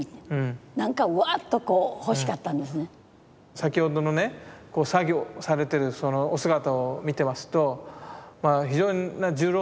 先ほどのね作業されてるそのお姿を見てますと非常な重労働だなと。